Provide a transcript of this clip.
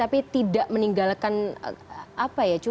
tapi tidak meninggalkan apa ya